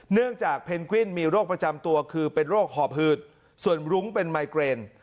เนื่องจากเพนกวินมีโรคประจำตัวคือเป็นโรคหอบหืดส่วนรุ้งเป็นไมเกรน